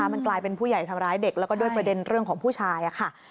มันกลายเป็นผู้ใหญ่ทำร้ายเด็กแล้วก็ด้วยประเด็นเรื่องของผู้ชายค่ะ